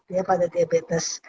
ya pada diabetes